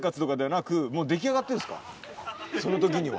その時には。